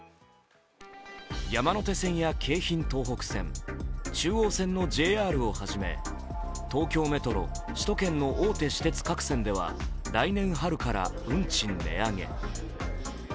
山手線や京浜東北線中央線のＪＲをはじめ、東京メトロ首都圏の大手私鉄各線では来年春から運賃値上げ。